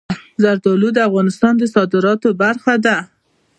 زردالو د افغانستان د صادراتو برخه ده.